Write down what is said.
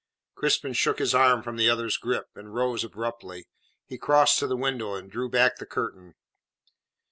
Crispin shook his arm from the other's grip, and rose abruptly. He crossed to the window, and drew back the curtain.